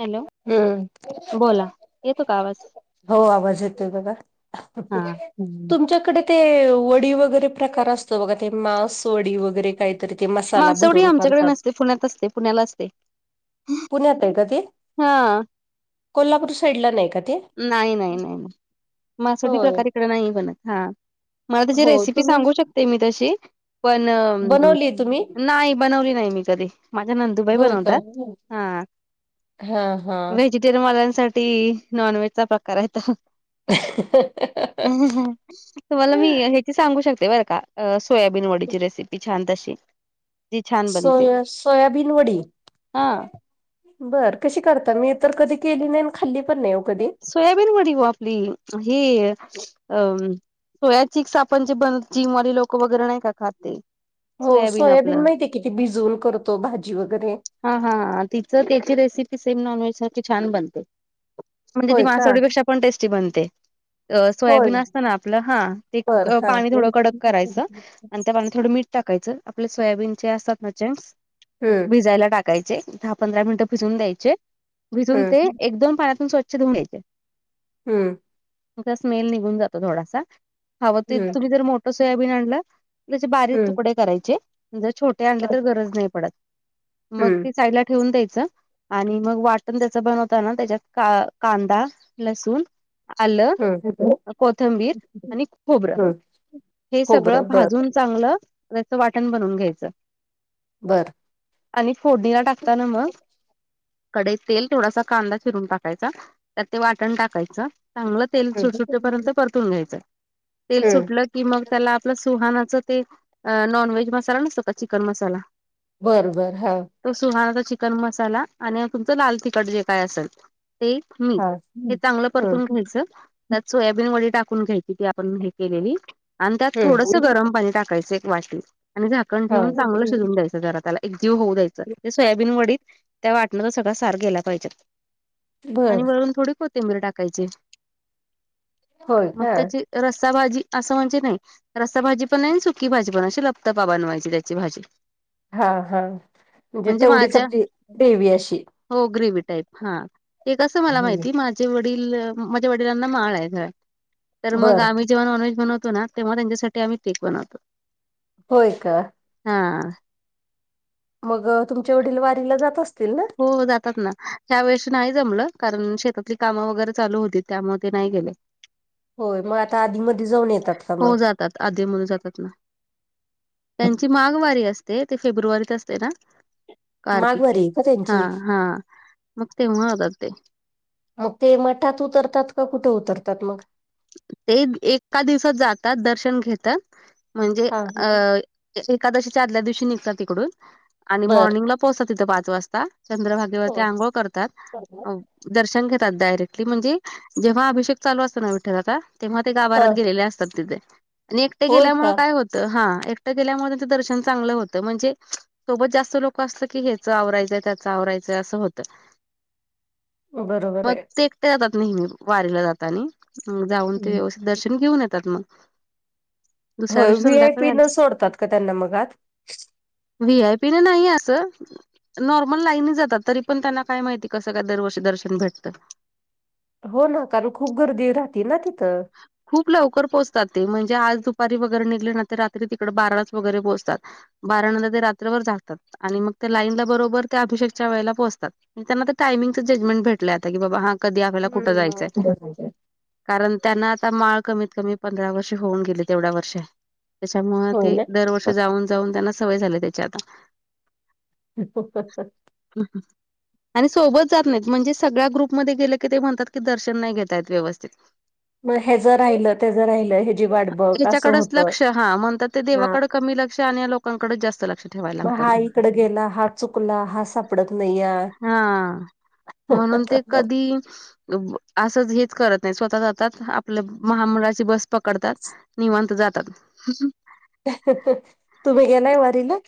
Hello हम्म बोला येतो का आवाज हो आवाज येतोय बघा [inaudible] हा तुमच्याकडे ते वडी वगैरे प्रकार असतो बघा ते मांस वडी वगैरे काही तरी ते मसाला मासवडी भरून आमच्याकडे करतात नसते पुण्यात असते पुण्याला असते पुण्यात हाय का ते? हा कोल्हापूर साईड ला नाही का ते? नाही नाही नाही नाही मांसाचे होय. प्रकार इकडे नाही बनत हा मला त्याची हो रेसिपी तुम्ही सांगू शकते मी तशी पण बनवलीय तुम्ही? नाही बनवली नाही मी कधी माझ्या नंदुबाई होय का? बनवतात. हा हा हा तिर मालांसाठी नॉन व्हेज चा प्रकार आहे त्यात [unintelligible] ह ह तुम्हाला मी ह्याची सांगू शकते बरं का? अ सोयाबीन वडीची रेसीपी छान तशी जी छान बनते सोया सोयाबीन वडी हा बर कशी करता? मी तर कधी केली नाही? आणि खाल्ली पण नाही ओ कधी? सोयाबीन वडी ओ आपली ही अं सोया चिक्स आपण जे बन जिमवाली लोक वगैरे नाही का खाते हो सोयाबीन माहिती आहे भिजवून भाजी वगैरे हा हा तिचं त्याची रेसिपी सेम नॉन व्हेज छान बनते म्हणजे ती होय का? मासवडीपेक्षा पण टेस्टी बनते अ सोयाबीन होय असतं ना आपलं हा ते बर हा पाणी हम्म थोडं कडक करायचं आणि त्या पाणी थोडं मीठ टाकायचं आपले सोयाबीनचे असतात ना चचेंक्स हम्म भिजायला टाक काय ते दहा पंधरा मिनिटं भिजून द्यायचे भिजून ते एकदम पाण्यातून स्वच्छ धुन घ्यायचे हुम्म तेचा स्मेल निघून जातो थोडासा हवं ते हम्म तुम्ही जर मोठं सोयाबीन आणलं त्याचे बारीक हम्म तुकडे करायचे छोटे आणले तर गरज नाही पडत मग हम्म ते साय ठेवून द्यायचं आणि मग वाटण त्याच बनवताना त्याच्यात का कांदा, लसुण, आलं, हम्म कोथंबीर, आणि खोबरं, हम्म हे सगळं खोबरं बर भाजून चांगलं त्याच वाटण बनून घ्यायचं. बर आणि फोडणीला टाकता ना मग कढईत तेल थोडासा कांदा चिरून टाकायचा त्यात ते वाटण टाकायचं चांगलं तेल हम्म सुटपर्यंत परतून घ्यायचं तेल हम्म सुटलं कि मग त्याला आपलं सुहानाच ते नॉन व्हेज मसाला नसतो का चिकन मसाला बर, बर, हा तो सुहाणाचा चिकन मसाला आणि तुमचं लाल तिखट जे काय असेल ते मी हा हे हम्म चांगलंपरतून घ्यायचं त्यात सोयाबीन वडी टाकून घ्यायची ती आपण हे केलेली आणि त्यात थोडंसं हम्म गरम पाणी टाकायचं एक वाटी आणि झाकण हा ठेवून चांगलं शिजून द्यायचं घरातला एक जीव होऊ दयचा ते सोयाबीन वडीत त्या वाटणंचा सगळं सार गेला पाहिजेत. आणि बर वरून थोडी कोथिंबीर टाकायची होय मग का त्याची रसाभजीआस म्हणजे, नाही रसा भाजी पण नाही सुकी भाजी पण अशी लप्त पा बनवायची त्याची भाजी हा हा म्हणजे तेवढीच आप ग्रेवी अशी हो ग्रेवी टाईप, हा ते कसं मला हम्म. माहिती माझ वडील माझ्या वडिलांना माळ आहे तर मग बर आम्ही, जेव्हा नॉनव्हेज बनवतो ना तेव्हाच्यासाठी आमही केक बनवतो होय का हा मग तुमच्य वडील वारीला जात असतील ना हो जातात ना त्यावेेळेशी नाही जमलं कारण शेतातली कामं वगैरे चालू होती त्यामध्ये नाही गेले, होय मग आता आधी मध्यजाऊन येतात का हो मग जातात आधी म्हणून जातात ना त्यांची माघवारी असते ते फेब्रुवारीत असते ना कार्तिके माघवारी आहे का हा त्यांची हा मग तेव्हा होतात ते मग ते मठात उतरतात का कुठे उतरतात मग ते एका दिवसात जातात दर्शन घेतात म्हणजे हा अ एकादशीच्या आदल्या दिवशी निघतात तिकडून आणि बर मॉर्निंगला पोहोचतात तथं पाच वाजता चंद्रभाग देव ते हो आंघोळ करतात. दर्शन घेतात डायरेक्टली म्हणजे जेव्हा अभिषेक चालू असत ना विठल आता तेव्हा ते हा गाभारात गेलेले असतात, तिथे आणि एकटे होय गेल्यामुळे का काय होत त हा, एकटं गेल्यामुळे ते दर्शन चांगलं होतं म्हणजे सोबत जास्त लोकं असलं की ह्याचं आवरायचंय त्याचं आवरायचंय असं होतं. बरोबर मग आहे ते एकटे जातात नेहमी वारीला जातानी, जाऊन ते दर्शन घेऊन येतात मग. दुसऱ्या होय, दिवशी व्ही. आय. संध्याकाळी पी. नं आले सोडतात का त्यांना मग आत? व्ही. आय. पी. नं नाही असं नॉर्मल लाईननच जातात, तरी पण त्यांना काय माहिती कसं काय दरवर्षी दर्शन भेटतं? हो ना कारण खूप गर्दी राहती ना तिथं. खूप लवकर पोचतात ते, म्हणजे आज दुपारी वगेरे निघले ना तर रात्री तिकडे बाराच वगेरे पोचतात. बाराणंद ते रात्रभर जागतात आणि मग त्या लाईनला बरोबर त्या अभिषेकच्या वेळेला पोचतात. त्यांना तर टायमिंगच जजमेंट भेटलंय आता की बाबा हा कधी आपल्याला कुठं जायचंय. कारण त्यांना आता माळ कमीत कमी पंधरा वर्ष होऊन गेले तेवढ्या वर्ष. त्याच्यामुळं होय ते ना दरवर्ष जाऊन जाऊन त्यांना सवय झाली त्याची आता. उउ ह्ह ह्ह ह ह आन सोबत जात नाहीत, म्हणजे सगळ्या ग्रुपमध्ये गेले की ते म्हणतात की, दर्शन नाही घेतायेत व्यवस्तित. म ह्येचं राहिलं त्याचं राहिलंय. याच्याकडच लक्ष. हा, म्हणतात ते हा देवाकडे कमी लक्ष आणि लोकांकडेच जास्त लक्ष. ठेवायला मग लागतं हा इकडं गेला, हा चुकला, हा सापडत नाही यार हाआ म्हणून ते कधी, स्स ब असंच हेच करत नाही स्वतः जात तात. आपल्या महामंडळाची बस पकडतात, निवांत जातात. ह ह ह... तुम्ही गेलाय वारीला?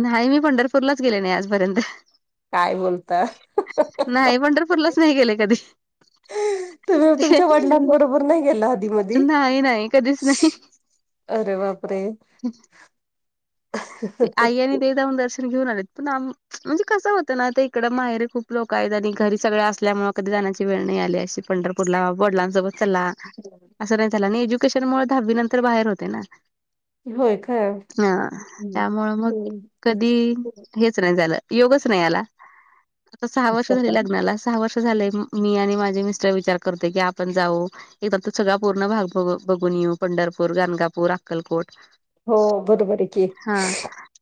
न्हाई, मी पंढरपूरलाच गेले नाही आजपर्यंत. काय बोलता न्हाई पंढरपूरलाच नाही गेले कधी. तुम्ही अअह्ये तुमच्या वडिलांबरोबर नाही गेला आधी मधी ह न्हाई न्हाई, कधीच नाही. अरे बापरे! अह्ह ते आई आणि दे दाऊन दर्श घ्यून आलेत. पण म्हणजे [inaudible] आनी कसं होत ना ते इकडं माहेर खूप [unintelligible] सगळं असल्यामुळं कधी जाण्याची वेळ नाही आली अशी, पंढरपूरला वडलांसोबत चला, असं नाही झाला, नी एज्युकेशन मुळे दहावी नंतर बाहेर होते ना. होय काय? त्यामुळं मग हम्म. कधी, हेच नाही झालं, योगच नाही आला. सहा वर्ष झाली लग्नाला. सहा वर्ष झाले मी आणि माझे मिस्टर विचार करतोय की आपण जाऊ एकदा तो सगळा पूर्ण भाग बघू बघून येऊ, पंढरपूर, गणगापूर, अक्कलकोट. हो, बरोबरय की. हाआ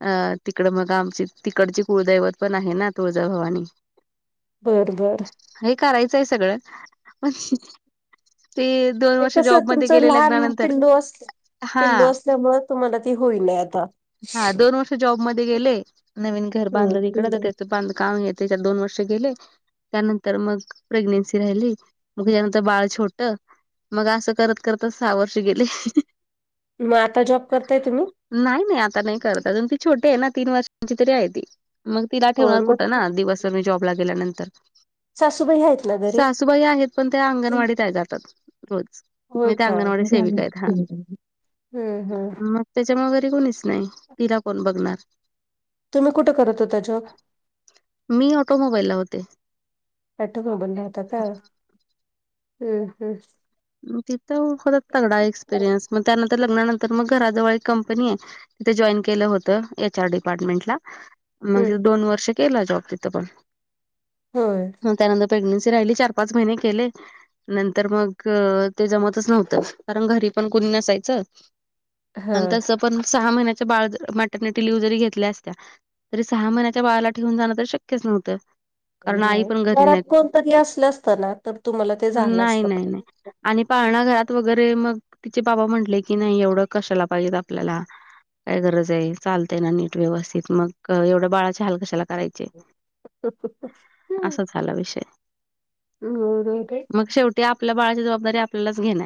आ तिकड मग आमची तिकडची कुळदैवत पण आहे ना, तुळजाभवानी. बर बर. हे करायचं आहे सगळं. पणश ते दोन ते वर्ष कसं जॉबमध्ये तुमचं गेले लहान लग्नानंतर पिल्लू अस्स हा पिल्लू असल्यामुळे तुम्हाला ती होईना आता. हा दोन वर्ष जॉबमध्ये गेले, नवीन घर बांधलं तिकडं तर हम्म. त्याचं बांधकाम हेत त्याच्यात दोन वर्ष गेले त्यानंतर मग प्रेग्नेन्सी राहिली, मग त्यानंतर बाळ छोटं मग असं करत करतच सहा वर्ष गेले एह्हह मग आता जॉब करताय तुम्ही? नाही नाही आता नाही करत, अजून ती छोटी आहे ना तीन वर्षांची तरी आहे ती मग. तिला होय ठेवणार कुठं मग ना दिवसभर मी जॉबला गेल्यानंतर? सासूबाई आहेत ना ग? सासूबाई आहेत पण त्या अंगणवाडीत आहे जातात रोज. हो मी त्या का? अंगणवाडी सेविका आहेत हा हम्म हम्म. मग त्याच्यामुळे घरी कोणीच नाही तिला कोण बघणार? तुम्ही कुठं करत होता जॉब? मी ऑटोमोबाईलला होते. ऑटोमोबाईलला होता का? हम्म हम्म. तिथं [unintelligible] तगडा एक्सपिरियन्स, मग त्यानंतर लग्नानंतर मग घराजवळ एक कंपनी आहे. तिथे जॉईन केलं होतं, एच आर डिपार्टमेंटला. हम्म म्हणजे दोन वर्ष केला जॉब तिथं पण होय मग त्यानं प्रेग्नेन्सी राहिली चार पाच महिने केले, नंतर मग ते जमतचं नव्हतं कारण घरी पण कुणी नसायचं हा आणि तसं पण सहा महिन्याच्या बाळ मटर्निटी लिव्ह जरी घेतल्या असत्या तरी सहा महिन्याच्या बाळाला ठेवून जाणं तर शक्यचं नव्हतं. कारण आई नाही पण घरी घरात नाहीत. कोणतरी असलं असतं ना तर तुम्हाला ते झालं नाही असतं. नाही नाही आणि पाळणा घरात वगैरे मग तिचे बाबा म्हंटले की नाही एवढं कशाला पाहिजेत आपल्याला काय गरज आहे? चालतेय ना नीट व्यवस्थित मग एवढ्या बाळाचे हाल कशाला करायचे? असा झाला विषय. हम्म [unintelligible] ते आपल्या बाळाची जबाबदारी आपल्यालाच घेणं.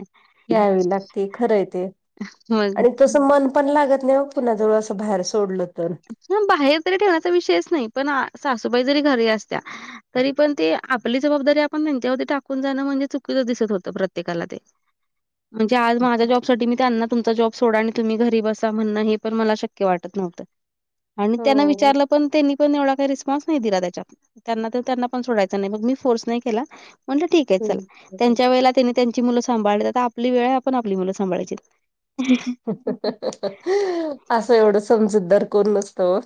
घ्यावी लागते खरं आहे ते, मग आणि तसं मन पण लागत नाही ओ कुणा जवळ असं बाहेर सोडलं तर. हा बाहेर तरी ठेवण्याचा विषयच नाही पण सासूबाई जरी घरी असत्या तरी पण ते आपली जबाबदारी आपण त्यांच्यावर टाकून जाणं, म्हणजे चुकीचं दिसत होतं प्रत्येकाला ते. [inaudible] म्हणजे आज माझ्या जॉबसाठी मी त्यांना तुमचा जॉब सोडा आणि तुम्ही घरी बसा म्हणणं, हे पण मला शक्य वाटंत नव्हतं. आणि त्यांना हो विचारलं पण त्यांनी पण एवढा काही रिस्पॉन्स नाही दिला त्याच्यात. त्यांना तर त्यांना पण सोडायच नाही, मग मी फोर्स नाही केला म्हटलं ठीक आहे चला, त्यांच्या वेळेला त्यांनी त्यांची मुलं सांभाळीत, आता आपली वेळ आपण आपली मुलं सांभाळायची. असं एवढं समजूतदार कोण नसतं ओ.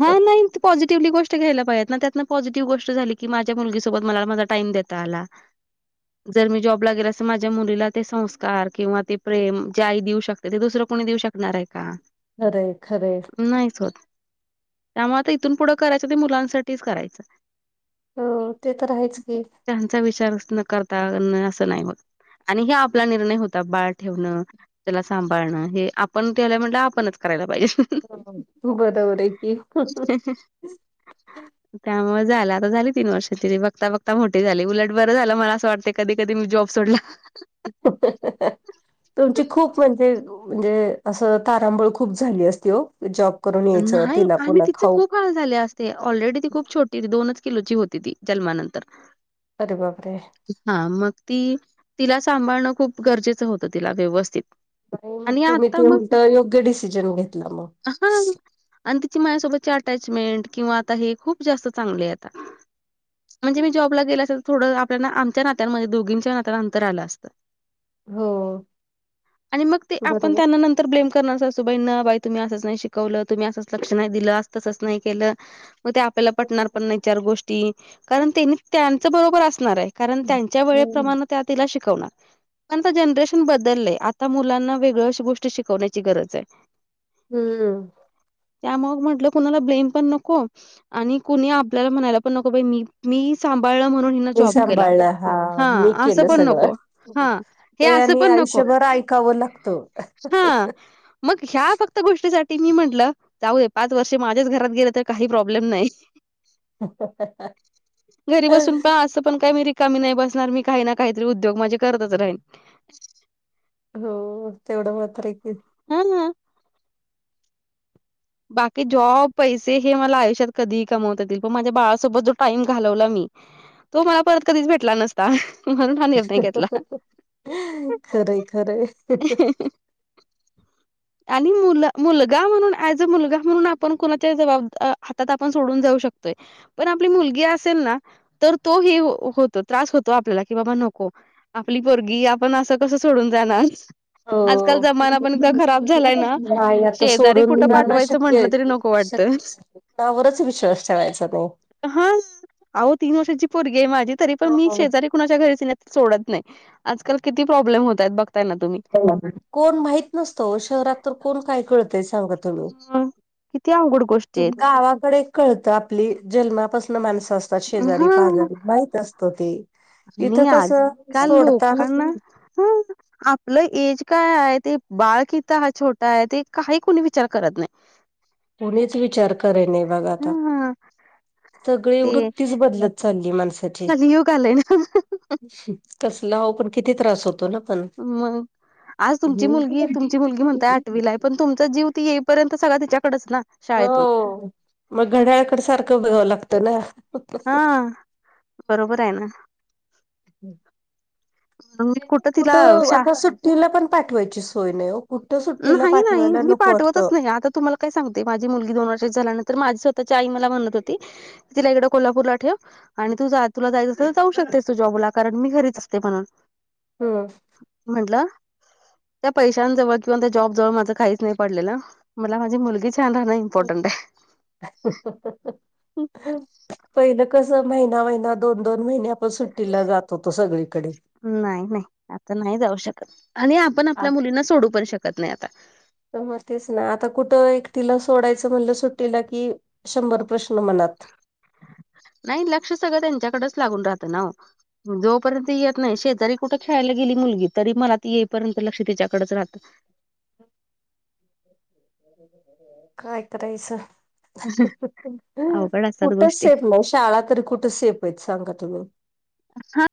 हा नाहीत पॉझिटिवली गोष्ट घ्यायला पाहिजेत ना, त्यात पॉझिटिव्ह गोष्ट झाली की, माझ्या मुलगीसोबत मला माझा टाईम देता आला. [inaudible] जर मी जॉबला गेले असते, माझ्या मुलीला ते संस्कार किंवा ते प्रेम जे आई देऊ शक तर ते दुसरं कोणी देऊ शकणार आहे का? खरंय खरंय. नाहीच होत. त्यामुळे आता इथून पुढं करायचं ते मुलांसाठीच करायचं. हो ते तर आहेचं की. त्यांचा विचार न करता असं नाही मग. आणि हे आपला निर्णय बाळ ठेवणं. त्याला सांभाळणं हे आपण केलाय म्हणाल्यावर आपणच करायला पाहिजे. बरोबर आहे की. [inaudible] [inaudible] त्यामुळे झालं आता झाली तीन वर्ष तरी बघता बघता मोठी झाली उलट बरं झालं मला असं वाटतंय कधी कधी मी जॉब सोडला. [inaudible] तुमची खूप म्हणजे म्हणजे असं तारांबळ खूप झाली असती हो. जॉब करून यायचं नाही तिला आणि पुन्हा तिचे खाऊ खूप हाल झाले असते ऑलरेडी ती खूप छोटी दोनच किलोची होती ती जन्मानंतर अरे बापरे! हां मग ती तिला सांभाळणं खूप गरजेचं होतं तिला व्यवस्थित. नाही मग आणि तुम्ही आता ते मग उलट योग्य डिसिजन घेतला मग. हां. आणि तिची माझ्यासोबतची अटॅचमेंट किंवा आता हे खूप जास्त चांगले आहे आता. म्हणजे मी जॉबला गेला असते तर थोडं आपल्या आमच्या नात्यांमध्ये दोघींच्या नात्यात अंतर आलं असतं. [inaudible] आणि मग ते आपण बरोबर त्याना नंतर तर ब्लेम करणार सुबाईना बाई तुम्ही असंच नाही शिकवलं. तुम्ही असंच लक्ष नाही दिलं अस तसंच नाही केलं मग ते आपल्याला पटणार पण नाही चार गोष्टी कारण त्यांनी त्यांच बरोबर असणार आहे. कारण त्यांच्या हम्म वेळेप्रमाणे त्या तिला शिकवणार. पण आता जनरेशन बदललंय आता मुलांना वेगळंच गोष्ट शिकवण्याची गरज आहे. हम्म. त्या मग म्हटलं कुणाला ब्लेम पण नको आणि कुणी आपल्याला म्हणायला पण नको बाई मी मी सांभाळलं म्हणून हिण मी सांभाळला हां मी केलं पण सगळं नको हा हे ते असं आणि पण नको आयुष्यभर ऐकावं लाग त. हा मग ह्या फक्त गोष्टीसा ठी की मी म्हटलं जाऊदे पाच वर्षे माझेच घरात गेलं तर काही प्रॉब्लेम नाही. घरी बसून पण असं पण काय मी रिकामी नाही बसणार मी काही ना काहीतरी उद्योग माझे करतच राहिन. हो तेवढं मात्र आहे की. हां. बाकी जॉब पैसे हे मला आयुष्यात कधीही कमवता येतील पण माझ्या बाळासोबत जो टाईम घालवला मी [inaudible] तो मला परत कधीच भेटला नसता म्हणून हा निर्णय घेतला. खरं आहे, खरं आहे. आणि मुलगा म्हणून एज अ मुलगा म्हणून आपण कोणाच्या जबाब हातात आपण सोडून जाऊ शकतोय पण आपली मुलगी असेल ना तर तो ह होतो त्रास होतो आपल्याला की बाबा नको आपली पोरगी आपण असं कसं सोडून जाणार आजकाल हो जमाना पण क नाही आता कुठं सोडून जाणं पाठवायचं म्हटलं शक्य तरी नको वाटतं शक्यचं नाह कोणावरच विश्वास ठेवायचा नाही. हां अहो तीन वर्षाची पोरगी आहे माझी तरी पण मी हो. शेजारी कुणाच्या घरी तिला सोडत नाही आजकाल किती प्रॉब्लेम होत आहेत बघताय ना तुम्ही कोण माहित नसतं वो शहरात तर कोण काय कळतय सांगा तूम्ही. हा किती अवघड गोष्ट तुम गावाकडं एक कळतं आपली जन्मापासन माणसं असतात आहेत शेजारी हा पाजारी माहित असतं [inaudible] आणि इथं कसं आजकाल सोडताना लोकांना [unintelligible] आपलं ऐज काय आहे ते बाळ किती हा छोट आहे ते काही कोणी विचार करत नाही. कोणीच विचार करेणे नाही बघा आता हं सगळी ते वृत्तीच बदलत चालली आहं माणसाची कलियुग आलंय ना कसलं अहो पण किती त्रास होतो ना. पण. मग आज तुमची हम्म. मुलगी तुमची मुलगी म्हणताय आठवीला आहे पण तुमचा जीव ती येईपर्यंत सगळा तिच्याकडेच ना शाळेतून हो मग घड्याळकड सारखं लागतं ना हा बरोबर आहे ना. मी तिला कुठं शा आता सुट्टीला पण पाठवायची सोय नाही वो. नाही नाही मी पाठवतच नाही आता तुम्हाला काय सांगते माझी मुलगी दोन वर्षाची झाल्यानंतर माझी स्वतःची आई मला म्हणत होती तिला इकडं कोल्हापूरला ठेव आणि तू तुला जायच तर तर जाऊ शकतेस तू जॉबला. कारण मी घरीच असते म्हणून हम् म्हणलं त्या पैशां जवळ किंवा त्या जॉब जवळ माझं काहीच नाही पडलेलं मला माझी मुलगी छान राहंण इम्पॉर्टंट आहे. [inaudible] पहिलं कस महिना महिना दोन दोन महिने आपण सगळीकडे. नाही नाही आता नाही जाऊ शकत. आणि आपण आपल्या मुलींना सोडू पण शकत नाही आता. तर मग तेच ना आता कुठं एकटीला सोडायचं म्हणलं सुट्टीला कि शंभर प्रश्न मनात. नाही लक्ष सगळं त्यांच्याकडच लागून राहत ना वो. जोपर्यंत येत नाही शेजारी कुठं खेळायला गेली मुलगी तरी मला ती येईपर्यंत लक्ष तिच्याकडच राहतं. काय करायचं! अवघड असतात कुठ गोष्टी. सेफ नाही. शाळा तरी कुठ सेफ आहे? सांगा तुम्ही.